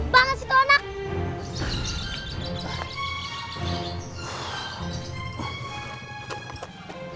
banget sih tuh anak